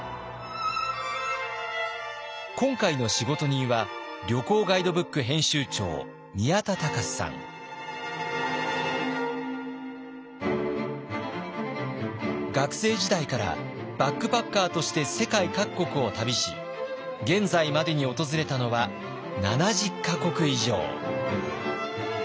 今回の仕事人は学生時代からバックパッカーとして世界各国を旅し現在までに訪れたのは７０か国以上。